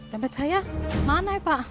dompet saya mana ya pak